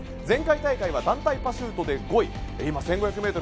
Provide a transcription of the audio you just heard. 前回大会は団体パシュートで５位。